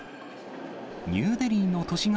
ニューデリーの都市型